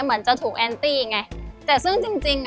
เหมือนจะถูกแอนตีไงแต่ซึ่งจริง